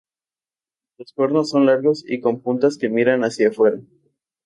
Los cuernos son largos y con puntas que miran hacia fuera.